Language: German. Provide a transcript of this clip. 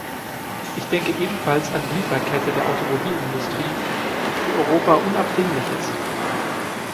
Ich denke ebenfalls an die Lieferkette der Automobilindustrie, die für Europa unabdinglich ist.